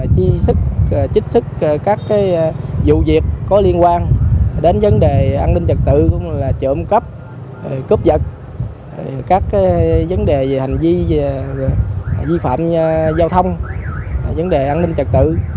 chích sức các cái vụ việc có liên quan đến vấn đề an ninh trật tự cũng như là trộm cắp cướp vật các cái vấn đề về hành vi vi phạm giao thông vấn đề an ninh trật tự